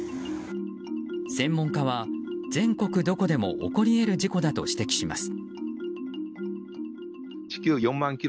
専門家は全国どこでも起こり得る事故だと指摘します。